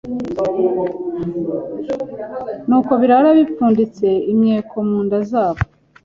Ni uko barara bipfunditse imyeko mu nda zabo